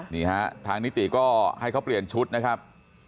นี่ฮะทางนิติก็ให้เขาเปลี่ยนชุดนะครับ